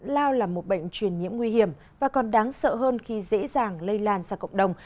lao là một bệnh truyền nhiễm nguy hiểm và còn đáng sợ hơn khi dễ dàng lây lan ra cộng đồng